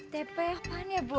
tepi apaan ya bu